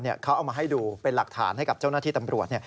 เขาเอามาให้ดูเป็นหลักฐานให้กับเจ้าหน้าที่ตำรวจ